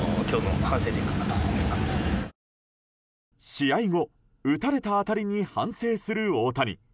試合後打たれた当たりに反省する大谷。